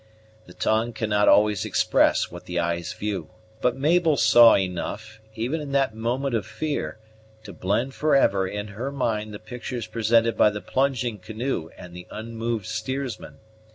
The tongue cannot always express what the eyes view; but Mabel saw enough, even in that moment of fear, to blend for ever in her mind the pictures presented by the plunging canoe and the unmoved steersman.